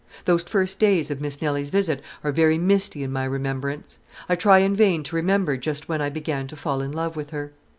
Those first days of Miss Nelly's visit are very misty in my remembrance. I try in vain to remember just when I began to fall in love with her.